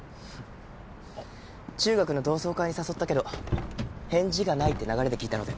中学の同窓会に誘ったけど返事がないって流れで聞いたので。